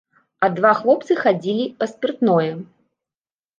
А два хлопцы хадзілі па спіртное.